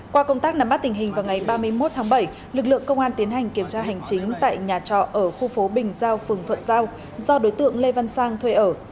qua công tác nắm bắt tình hình vào ngày ba mươi một tháng bảy lực lượng công an tiến hành kiểm tra hành chính tại nhà trọ ở khu phố bình giao phường thuận giao do đối tượng lê văn sang thuê ở